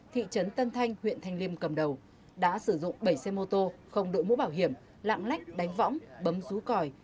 thanh huyện thanh liêm cầm đầu đã sử dụng bảy xe mô tô không đội mũ bảo hiểm lạng lách đánh võng bấm rú còi